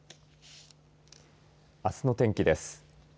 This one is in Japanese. あすの天気です。